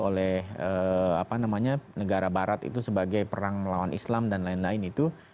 oleh apa namanya negara barat itu sebagai perang melawan islam dan lain lain itu